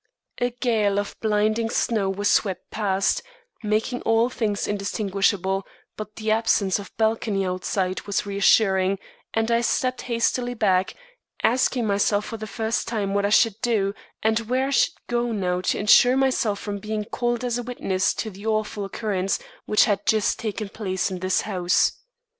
A gale of blinding snow was sweeping past, making all things indistinguishable, but the absence of balcony outside was reassuring and I stepped hastily back, asking myself for the first time what I should do and where I should now go to ensure myself from being called as a witness to the awful occurrence which had just taken place in this house.